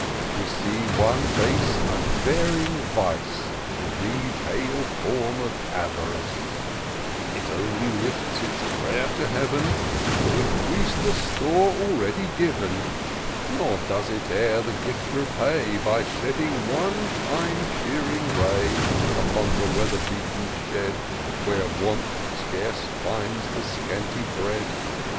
We see one base unvarying vice In the pale form of Avarice : It only lifts its pray'r to Heav'n, T' increase the store already given ; Nor does it e'er the gift repay, By shedding one kind cheering ray Upon the weather beaten shed. Where Want scarce finds the scanty bread.